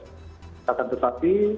tidak akan tetapi